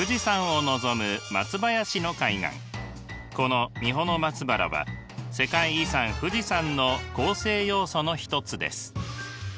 この三保松原は世界遺産富士山の構成要素の一つです。